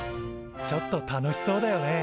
ちょっと楽しそうだよね。